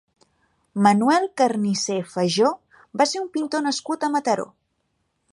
Manuel Carnicer Fajó va ser un pintor nascut a Mataró.